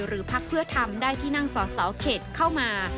พักเพื่อทำได้ที่นั่งสอสอเขตเข้ามา